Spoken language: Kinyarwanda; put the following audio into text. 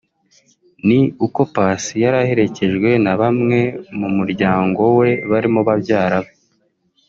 ni uko Paccy yari aherekejwe na bamwe mu muryango we barimo babyara be